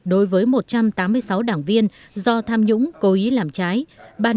đối với một trăm tám mươi sáu đảng viên do tham nhũng cố ý làm trái